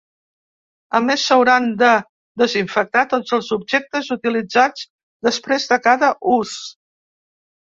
A més, s’hauran de desinfectar tots els objectes utilitzats després de cada ús.